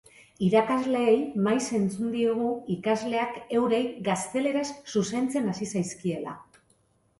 Irakasleei maiz entzun diegu ikasleak eurei gazteleraz zuzentzen hasi zaizkiela.